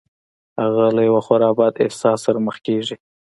هغه له یوه خورا بد احساس سره مخ کېږي